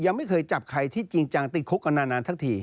ยังไม่เคยจับใครที่จริงจังติดคุกกันนานทั้งที